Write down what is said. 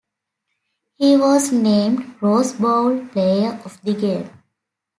He was named Rose Bowl Player of the Game.